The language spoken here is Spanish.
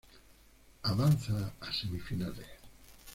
Avanza a semifinales.